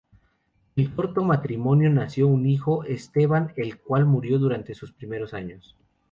Del corto matrimonio nació un hijo, Esteban, el cual murió durante sus primeros años.